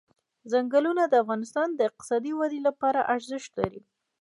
ځنګلونه د افغانستان د اقتصادي ودې لپاره ارزښت لري.